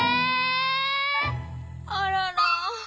あらら。